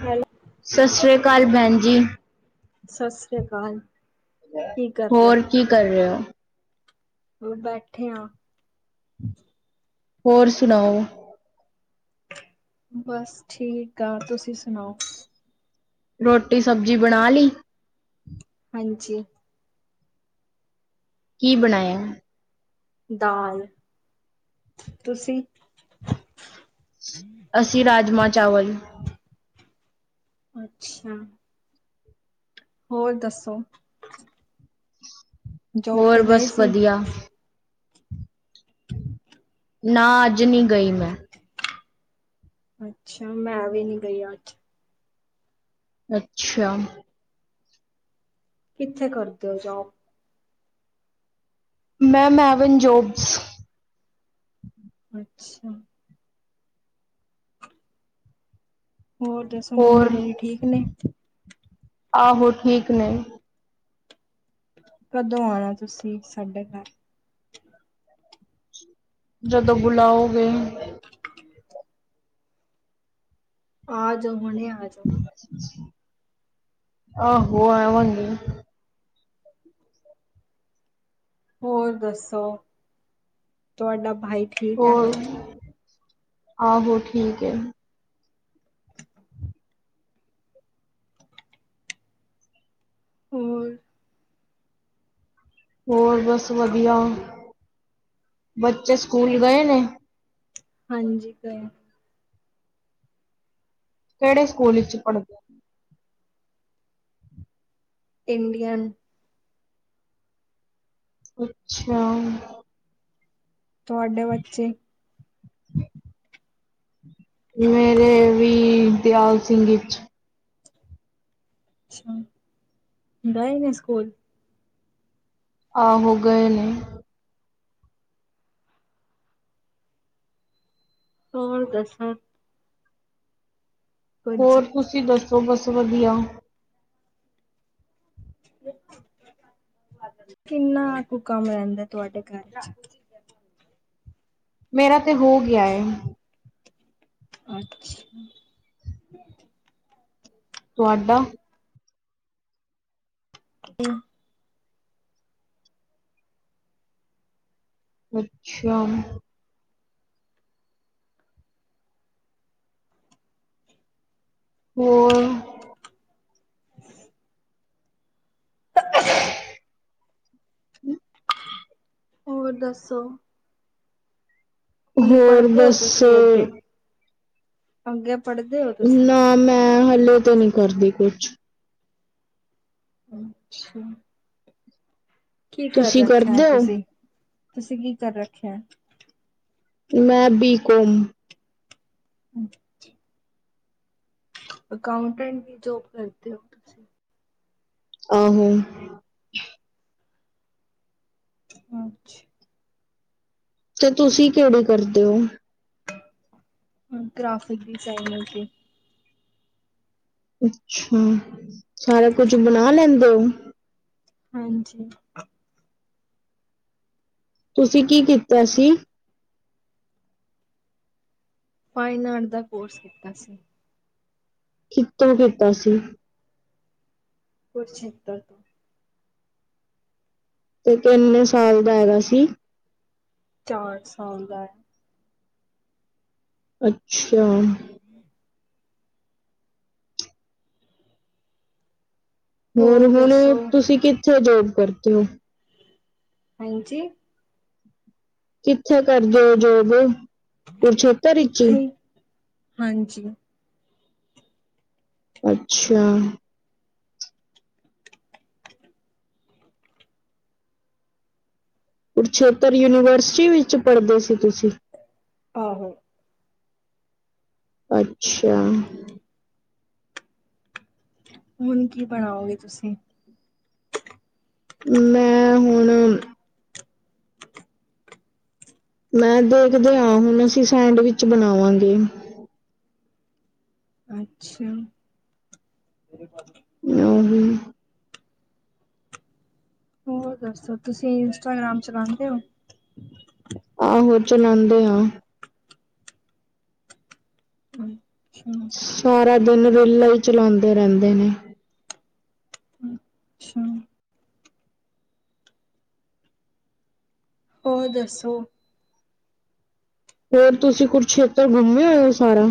Hello ਸਾਸਰੀਆ ਕਾਲ ਭੈਣ ਜੀ। ਸਾਸਰੀ ਕਾਲ। ਹੋਰ ਕੀ ਰੇ ਓ? ਹੁਣ ਬੈਠੇ ਆਂ। ਹੋਰ ਸੁਣਾਓ। ਬਸ ਠੀਕ ਆ ਤੁਸੀਂ ਸੁਣਾਓ। ਰੋਟੀ -ਸਬਜ਼ੀ ਬਣਾ ਲੀ। ਹਾਂਜੀ। ਕੀ ਬਣਾਇਆ? ਦਾਲ- ਤੁਸੀਂ? ਅਸੀਂ ਰਾਜਮਾ ਚਾਵਲ। ਅੱਛਾ। ਹੋਰ ਦੱਸੋ। ਜੋਬ ਹੋਰ ਤੇ ਗਏ ਬਸ ਸੀ? ਵਧੀਆ ਨਾ ਅੱਜ ਨੀ ਗਈ ਮੈਂ। ਅੱਛਾ, ਮੈਂ ਵੀ ਨਹੀਂ ਗਈ ਅੱਜ। ਅੱਛਾ। ਕਿੱਥੇ ਕਰਦੇ ਹੋ ਜੋਬ। [inaudible] ਅੱਛਾ। ਹੋਰ। ਦੱਸੋ ਮੰਮੀ ਹੋਰ, ਡੈਡੀ ਠੀਕ ਨੇ ਆਹੋ ਠੀਕ ਨੇ। ਕਦੋਂ ਆਉਣਾ ਤੁਸੀਂ, ਸਾਡੇ ਘਰ। ਜਦੋਂ ਬੁਲਾਓਗੇ। [inaudible] ਆ ਜਾਓ, ਹੁਣੇ ਆ ਜਾਓ। [inaudible] ਹੋਰ ਦੱਸੋ, ਤੁਹਾਡਾ ਭਾਈ। ਠੀਕ ਹੈ ਹੋਰ, ਆਹੋ ਠੀਕ ਏ। ਹੋਰ। ਹੋਰ ਬਸ ਵਧੀਆ। ਬੱਚੇ ਸਕੂਲ ਗਏ ਨੇ। ਹਾਂਜੀ ਗਏ। ਕਿਹੜੇ ਸਕੂਲ ਵਿੱਚ ਪੜ੍ਹਦੇ ਨੇ। ਇੰਡੀਅਨ। ਅੱਛਾ। ਤੁਹਾਡੇ ਬੱਚੇ। ਮੇਰੇ ਵੀ ਦਿਆਲ ਸਿੰਘ ਚ। ਅੱਛਾ ਗਏ ਨੇ ਸਕੂਲ। ਆਹੋ ਗਏ ਨੇ। ਹੋਰ ਦਸ। ਕੁਝ ਹੋਰ ਤੁਸੀਂ ਦੱਸੋ, ਬਸ ਵਧੀਆ। ਕਿੰਨਾ ਕੁ ਕਮ ਰਹਿੰਦਾ ਤੁਹਾਡੇ ਘਰ ਚ। ਮੇਰਾ ਤਾਂ ਹੋ ਗਿਆ ਏ। ਅੱਛਾ। ਤੁਹਾਡਾ। [unintelligible] ਅੱਛਾ। [inaudible] [inaudible] [inaudible] ਹੋਰ ਦੱਸੋ। ਹੁਣੇ ਹੋਰ ਪੜ੍ਹਦੇ ਹੋ ਬਸ। ਤੁਸੀਂ ਅੱਗੇ? ਅੱਗੇ ਪੜ੍ਹਦੇ ਹੋ ਤੁਸੀਂ? ਨਾ ਮੈਂ ਹਲੇ ਤੇ ਨਹੀਂ ਕਰਦੀ ਕੁਛ। ਅੱਛਾ। ਕੀ ਕਰ ਤੁਸੀਂ ਰੱਖਿਆ ਹੈ ਕਰਦੇ ਤੁਸੀਂ? ਹੋ ਤੁਸੀਂ, ਕੀ ਕਰ ਰੱਖਿਆ? ਮੈਂ ਬੀ ਕੋਮ। [inaudible] ਅਕਾਊਂਟੈਂਟ ਕੀ ਜੋਬ ਕਰਦੇ ਹੋ ਤੁਸੀਂ? ਆਹੋ। ਅੱਛ। [inaudible] ਤੇ ਤੁਸੀਂ, ਕਿਹੜੀ ਕਰਦੇ ਹੋ? [inaudible] ਗ੍ਰਾਫਿਕ ਡਿਜ਼ਾਇਨਰ [unintelligible] ਅੱਛਾ, ਸਾਰਾ ਕੁਝ ਬਣਾ ਲੈਂਦੇ ਹੋ। ਹਾਂਜੀ। ਤੁਸੀਂ ਕੀ ਕੀਤਾ ਸੀ? ਫਾਈਨ ਆਰਟ ਦਾ ਕੋਰਸ ਕੀਤਾ ਸੀ। ਕਿਤੋਂ ਕੀਤਾ ਸੀ? ਕੁਰੂਕਸ਼ੇਤਰ ਤੌ। ਤੇ ਕਿੰਨੇ, ਸਾਲ ਦਾ ਹੈਗਾ ਸੀ ਚਾਰ ਸਾਲ ਦਾ ਐ। ਅੱਛਾ। [inaudible] ਹੋਰ ਹੁਣ, ਤੁਸੀਂ ਕਿੱਥੇ ਜੋਬ ਕਰਦੇ ਹੋ। ਹਾਂਜੀ। ਕਿੱਥੇ ਕਰਦੇ ਓ ਜੋਬ, ਕੁਰੂਕਸ਼ੇਤਰ ਵਿੱਚ। ਇੱਥੇ ਹੀ ਹਾਂਜੀ [inaudible] ਅੱਛਾ। ਕੁਰੂਕਸ਼ੇਤਰ, ਯੂਨੀਵਰਸਿਟੀ ਵਿੱਚ ਪੜ੍ਹਦੇ ਸੀ ਤੁਸੀਂ। ਆਹ ਹੋ। ਅੱਛਾ। [inaudible] ਹੁਣ ਕੀ ਬਣਾਓਗੇ ਤੁਸੀਂ? ਮੈਂ [inaudible] ਹੁਣ ਮੈਂ ਦੇਖਦੇ ਆ, ਹੁਣ ਅਸੀਂ ਸੈਂਡਵਿਚ ਬਣਾਵਾਂਗੇ। ਅੱਛਾ। [unintelligible] [unintelligible] ਹੋਰ ਦੱਸੋ, ਤੁਸੀਂ ਇੰਸਟਾਗ੍ਰਾਮ ਚਲਾਦੇ ਓ। ਆਹੋ। ਚਲਾਉਂਦੇ ਆ। [unintelligible] ਸਾਰਾ ਦਿਨ, ਰੀਲਾਂ ਈ ਚਲਾਉਂਦੇ ਰਹਿੰਦੇ ਨੇ। ਅੱਛਾ ਹੋਰ ਦੱਸੋ। ਹੋਰ ਤੁਸੀਂ, ਕੁੁਰੂਕਸੇ਼ਤਰ ਘੁੰਮੇ ਹੋ ਸਾਰਾ।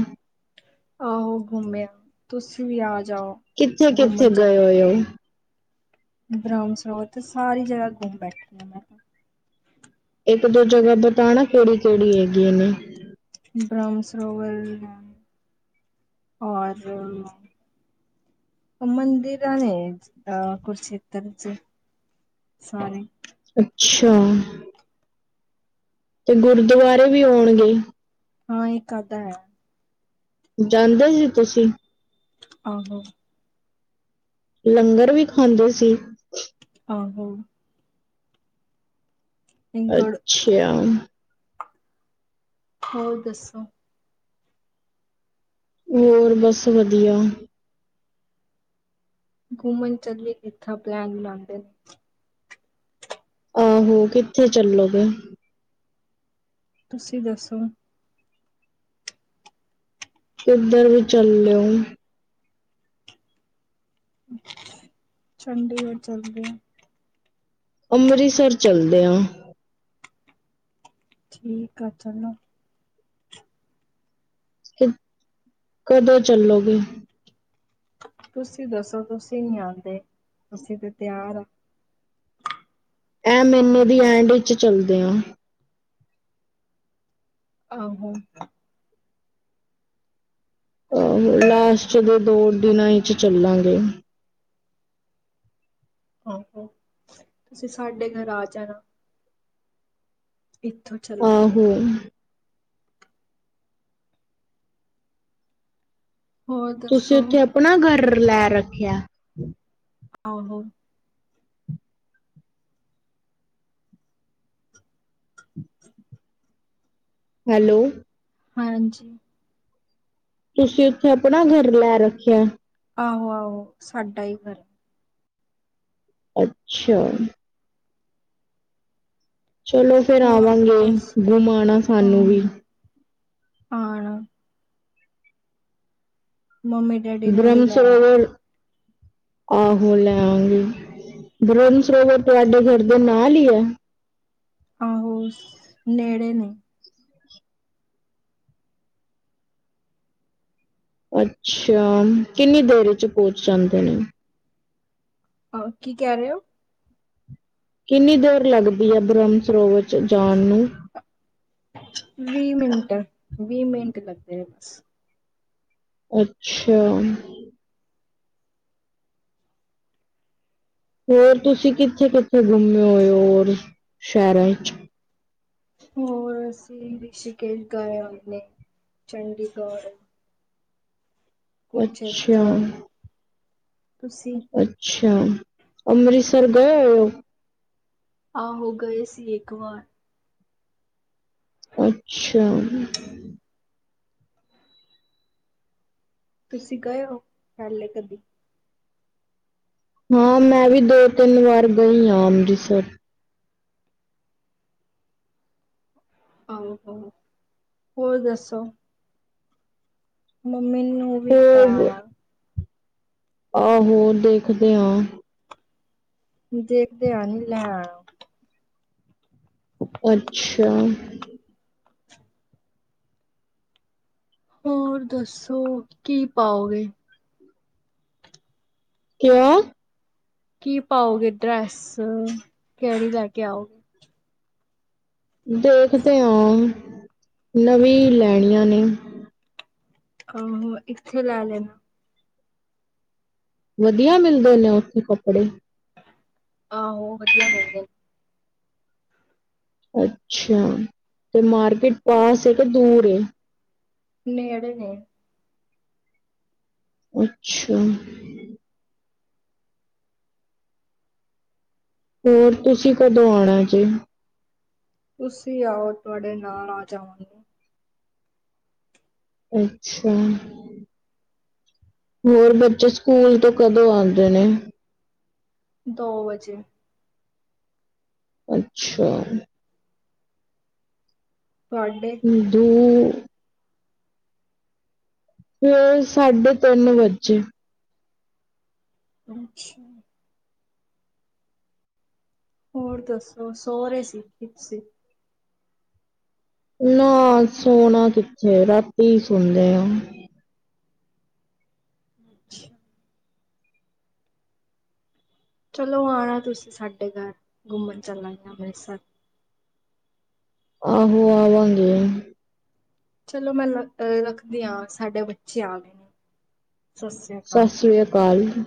ਆਹੋ ਘੁੰਮੇ ਆ। ਤੁਸੀ ਵੀ ਆ ਜਾਓ। ਕਿੱਥੇ, ਕਿੱਥੇ ਘੁੰਮਣ ਚੱਲ ਗਏ ਉਏ ਓ। ਬ੍ਰਹਮ ਸਰੋਤ ' ਸਾਰੀ ਜਗ੍ਹਾ ਘੁੰਮ ਬੈਠੀ ਆ ਮੈਂ ਤਾਂ। ਇੱਕ ਦੋ ਜਗ੍ਹਾ ਬਤਾਣਾ। ਕਿਹੜੀ, ਕਿਹੜੀ ਹੈਗੀ। ਇਹ ਨੇ ਬ੍ਰਹਮ ਸਰੋਵਰ [unintelligible] ਔਰ। ਮੰਦਿਰ ਨੇ [unintelligible] ਅ ਕੁਰਸ਼ੇਤਰ ਚ ਸਾਰੇ। ਅੱਛਾ। ਤੇ ਗੁਰਦੁਆਰੇ ਵੀ ਹੋਣਗੇ। ਹਾਂ ਇੱਕ ਅਦਾ ਹੈ। ਜਾਂਦੇ ਈ ਤੁਸੀਂ। ਆਹੋ! ਲੰਗਰ ਵੀ ਖਾਂਦੇ ਸੀ ਆਹੋ ਗੜ ਅੱਛਾ ਹੋਰ ਦੱਸੋ ਹੋਰ ਬਸ ਵਦੀਆ ਘੁੰਮਣ ਚੱਲੀਏ ਇੱਥੇ ਪਲੈਨ ਬਣਾੰਦੇ ਨੇ ਆਹੋ ਕਿਥੇ ਚੱਲੋਗੇ ਤੁਸੀਂ ਦੱਸੋ ਕਿੱਧਰ ਵੀ ਚੱਲ ਲੋ ਚੰਡੀਗੜ੍ਹ ਚੱਲਦੇ ਆ ਅੰਮ੍ਰਿਤਸਰ ਚੱਲਦੇ ਆ ਠੀਕ ਐ ਚੱਲੋ ਕਿ, ਕਦੋਂ ਚੱਲੋਗੇ ਤੁਸੀਂ ਦੱਸੋ ਤੁਸੀਂ ਨੀ ਆਂਦੇ, ਅਸੀਂ ਤੇ ਤਿਆਰ ਆ ਐ ਮੀਨੇ ਦੀ ਐੰਡ ਵਿੱਚ ਚੱਲਦੇ ਆ ਆਹੋ ਆਹੋ ਲਾਸਟ ਦੋ ਦਿਨਾਂ ਈ ਚ ਚੱਲਾਂਗੇ। ਆਹੋ, ਤੁਸੀਂ ਸਾਡੇ ਘਰ ਆ ਜਾਨਾ ਇੱਥੋਂ ਚਲਾੰਗੇ ਆਹੋ ਹੋਰ ਦੱਸੋ ਤੁਸੀਂ ਉੱਥੇ ਆਪਨਾ ਗਰ੍ਹਰ੍ਹ ਲੈ ਰੱਖਿਆ। ਆਹੋ। ਹੈਲੋ। ਹਾਂਜੀ। ਤੁਸੀਂ ਉੱਥੇ ਅਪਨਾ ਘਰ ਲੈ ਰੱਖਿਆ। ਆਹੋ, ਆਹੋ ਸਾਡਾ ਈ ਘਰ ਅੱਛਾ ਚਲੋ ਫੇਰ ਹੋਰ ਆਵਾਂਗੇ ਦੱਸ ਘੁਮਾਨਾ ਸਾਨੂੰ ਹਾਂ ਵੀ ਆਣਾ [unintelligible] ਵੀ ਬ੍ਰਹਮ ਲੈ ਆਣਾ ਸਰੋਵਰ, ਆਹੋ ਲੈ ਆੰਗੀ। ਬਰਮ ਸਰੋਵਰ ਤੁਹਾਡੇ ਘਰ ਦੇ ਨਾਲ ਈ ਐ ਆਹੋ ਨੇੜੇ ਨੇ। ਅੱਛਾ ਕਿੰਨੀ ਦੇਰ ਚ ਪੌਚ ਜਾਂਦੇ ਔ ਕੀ ਕਹਿ ਰਹੇ ਔ ਕਿੰਨੀ ਦੇਰ ਲੱਗਦੀ ਐ ਬ੍ਰਹਮ ਸਰੋਵਰ ਚ ਜਾਨ ਨੂੰ। ਵੀਹ ਮਿੰਟ, ਵੀਹ ਮਿੰਟ ਲੱਗਦੇ ਨੇ ਬਸ। ਅੱਛਾ ਹੋਰ ਤੁਸੀਂ ਕਿੱਥੇ-ਕਿੱਥੇ ਘੂੰਮੇ ਹੋਏ ਓ ਹੋਰ ਸ਼ਹਿਰਾਂ ਚ ਹੋਰ ਅਸੀਂ ਰਿਸੀ਼ਕੇਸ਼ ਗਏ ਹੋ ਨੇ ਚੰਡੀਗੜ੍ਹ। ਅੱਛਾ ਕੂਰਸ਼ੇਤਰ, ਤੁਸੀਂ ਅੱਛਾ, ਅੰਮ੍ਰਿਤਸਰ ਗਏ ਔਏ ਔ ਆਹੋ ਗਏ ਸੀ ਇੱਕ ਵਾਰ। ਅੱਛਾ ਤੁਸੀਂ ਗਏ ਓ ਪੇਹਲੇ ਕਦੀ ਹਾਂ ਮੈਂ ਵੀ ਦੋ ਤਿੰਨ ਵਾਰ ਗਈ ਆਂ ਅੰਮ੍ਰਿਤਸਰ। ਆਹੋ ਹੋਰ ਦੱਸੋ ਮੰਮੀ ਨੂੰ ਵੀ ਲੈ ਉਹ ਆਣਾ। ਆਹੋ, ਦੇਖਦੇ ਆਂ। ਦੇਖਦੇ ਆਂ ਨਹੀਂ ਲੈਂ ਆਣਾ। ਅੱਛਾ। ਹੋਰ ਦੱਸੋ ਕੀ ਪਾਓਗੇ? ਕਿਓਂ? ਕੀ ਪਾਓਗੇ ਡਰੈੱਸ ਕਿਹੜੀ ਲੈ ਕੇ ਆਓਗੇ? ਦੇਖਦੇ ਆਂ ਨਵੀਂ ਲੈਣੀਆਂ ਨੇ। ਕੰਮ ਇੱਥੇ ਲੈ ਲੈਣਾ। ਵਧੀਆ ਮਿਲਦੇ ਨੇ ਉੱਥੇ ਕੱਪੜੇ? ਆਹੋ ਵਧੀਆ ਮਿਲਦੇ। ਅੱਛਿਆ ਤੇ ਮਾਰਕਿਟ ਪਾਸ ਏ ਕਿ ਦੂਰ ਏ? ਨੇੜੇ ਨੇ। ਅੱਛਾ। ਹੋਰ ਤੁਸੀਂ ਕਦੋਂ ਆਉਣਾ ਜੇ? ਤੁਸੀਂ ਆਓ ਤੁਹਾਡੇ ਨਾਲ ਆ ਜਾਵਾਂਗੇ। ਅੱਛਾ। ਹੋਰ ਬੱਚੇ ਸਕੂਲ ਤੋਂ ਕਦੋਂ ਆਉਂਦੇ ਨੇ? ਦੋ ਵਜੇ। ਅੱਛਾ। ਤੁਹਾਡੇ ਦੂ। ਫਿਰ ਸਾਢੇ ਤਿੰਨ ਵੱਜੇ। ਅੱਛਾ। ਹੋਰ ਦੱਸੋ ਸੋ ਰਹੇ ਸੀ ਕਿਪ ਸੀ? ਨਾ ਸੋਣਾ ਕਿੱਥੇ, ਰਾਤੀ ਸੋਂਦੇ ਆ। ਹਮ। ਚਲੋ ਆਉਣਾ ਤੁਸੀਂ ਸਾਡੇ ਘਰ ਘੁੰਮਣ ਚੱਲਾਂਗੇ ਅੰਮ੍ਰਿਤਸਰ। ਆਹਹੋ ਆਵਾਂਗੇ। ਚਲੋ ਮੈਂ ਅ ਰੱਖਦੀ ਹਾਂ ਸਾਡੇ ਬੱਚੇ ਆ ਗਏ ਨੇ। ਸਤਿ ਸ੍ਰੀ ਅਕਾਲ ਸਤਿ ਸ੍ਰੀ ਅਕਾਲ ਜੀ।